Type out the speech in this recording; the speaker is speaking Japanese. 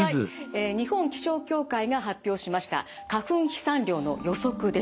日本気象協会が発表しました花粉飛散量の予測です。